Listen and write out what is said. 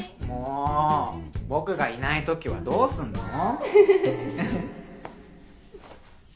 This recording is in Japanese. もう僕がいないときはどうすんの？